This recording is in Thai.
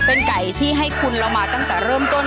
เป็นไก่ที่ให้คุณเรามาตั้งแต่เริ่มต้น